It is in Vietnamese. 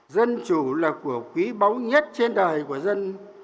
dân chủ là của quý báu nhất trên đời của dân